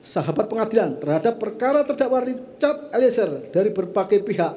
sahabat pengadilan terhadap perkara terdakwa richard eliezer dari berbagai pihak